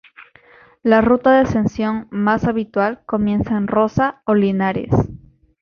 La ruta de ascensión más habitual comienza en Roza o Linares.